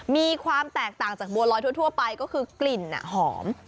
มีความแตกต่างจากบัวลอยทั่วไปก็คือกลิ่นหอม